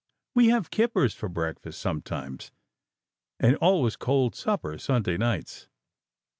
We have kippers for breakfast sometimes, and always cold supper Sunday nights."